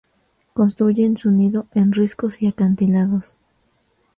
Construyen su nido en riscos y acantilados.